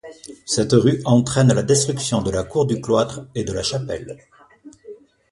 Cette rue entraîne la destruction de la cour du cloître et de la chapelle.